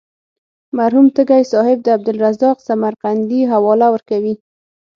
مرحوم تږی صاحب د عبدالرزاق سمرقندي حواله ورکوي.